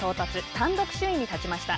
単独首位に立ちました。